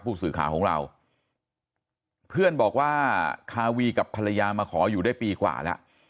ผู้สื่อข่าวของเราเพื่อนบอกว่าคาวีกับภรรยามาขออยู่ได้ปีกว่าแล้ว